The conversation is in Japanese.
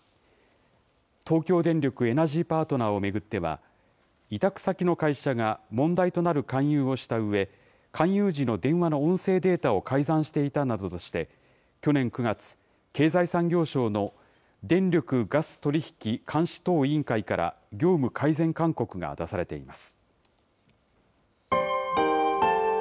東京電力エナジーパートナーを巡っては、委託先の会社が、問題となる勧誘をしたうえ、勧誘時の電話の音声データを改ざんしていたなどとして、去年９月、経済産業省の電力・ガス取引監視等委員会から、業務改善勧告が出されています。